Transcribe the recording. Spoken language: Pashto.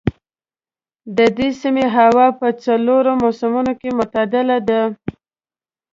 د دې سيمې هوا په څلورو موسمونو کې معتدله ده.